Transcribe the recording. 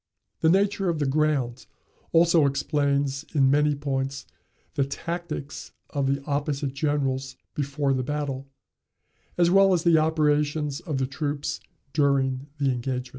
The nature of the ground also explains in many points the tactics of the opposite generals before the battle, as well as the operations of the troops during the engagement.